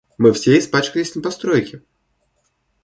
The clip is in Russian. Мы все испачкались на постройке.